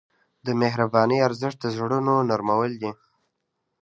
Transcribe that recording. د مهربانۍ ارزښت د زړونو نرمول دي.